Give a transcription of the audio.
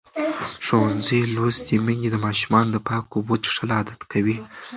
ښوونځې لوستې میندې د ماشومانو د پاکو اوبو څښل عادت کوي.